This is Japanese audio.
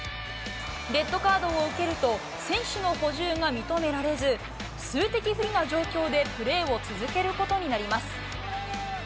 レッドカードを受けると、選手の補充が認められず、数的不利な状況でプレーを続けることになります。